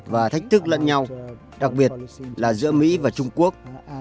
và thách thức lẫn nhau đặc biệt là giữa mỹ và trung quốc